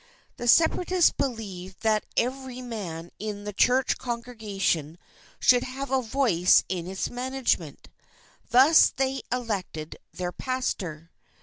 The Separatists believed that every man in the church congregation should have a voice in its management; thus they elected their pastor.